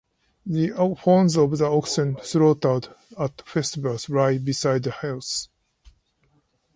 The horns of the oxen slaughtered at festivals lie beside the hearth.